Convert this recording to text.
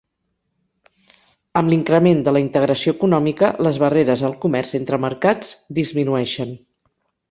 Amb l'increment de la integració econòmica, les barreres al comerç entre mercats disminueixen.